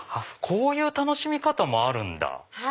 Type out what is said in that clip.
こういう楽しみ方もあるんだ。